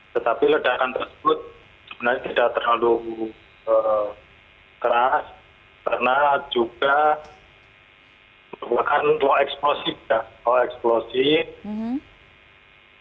tetapi ledakan tersebut sebenarnya tidak terlalu keras karena juga memerlukan lo eksplosif